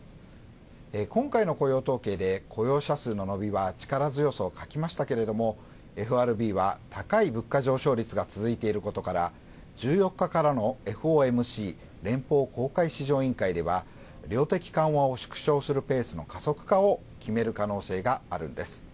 今回の雇用統計で雇用者数の伸びは力強さを欠きましたけれどもＦＲＢは高い物価上昇率が続いていることから１４日からのＦＯＭＣ＝連邦公開市場委員会では量的緩和を縮小するペースの加速化を決める可能性があるんです。